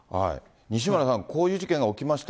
西村さん、こういう事件が起きました。